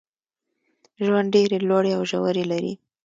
ژوند ډېري لوړي او ژوري لري.